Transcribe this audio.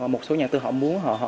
một số nhà đầu tư họ muốn